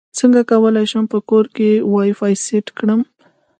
څنګه کولی شم په کور کې وائی فای سیټ کړم